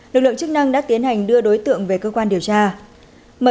lực lượng chức năng đã tiến hành đưa đối tượng về cơ quan điều tra